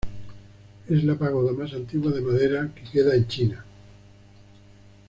Es la pagoda más antigua de madera que queda en China.